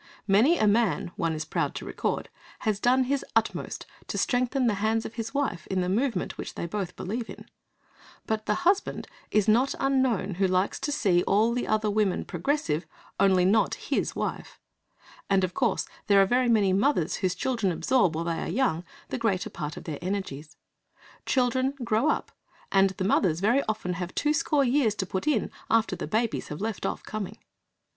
Many a man, one is proud to record, has done his utmost to strengthen the hands of his wife in the movement which they both believe in; but the husband is not unknown who likes to see all the other women progressive, only not his wife. And, of course, there are very many mothers whose children absorb, while they are young, the greater part of their energies. Children grow up and the mothers very often have two score years to put in after the babies have left off coming.